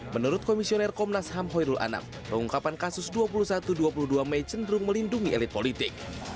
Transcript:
menurut komisioner komnas ham hoyrul anam pengungkapan kasus dua puluh satu dua puluh dua mei cenderung melindungi elit politik